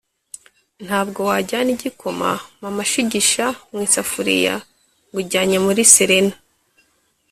ntabwo wajyana igikoma mama ashigisha mu isafuriya ngo ujyanye muri Serena